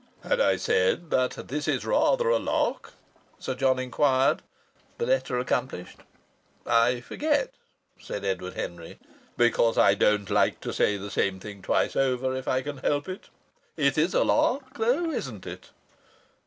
"Had I said that this is rather a lark?" Sir John inquired, the letter accomplished. "I forget," said Edward Henry. "Because I don't like to say the same thing twice over if I can help it. It is a lark though, isn't it?"